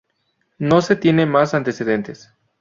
No se tienen más antecedentes.